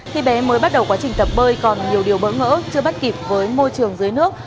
khi bé mới bắt đầu quá trình tập bơi còn nhiều điều bỡ ngỡ chưa bắt kịp với môi trường dưới nước